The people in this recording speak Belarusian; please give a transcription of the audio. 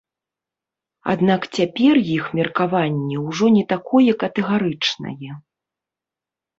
Аднак цяпер іх меркаванне ўжо не такое катэгарычнае.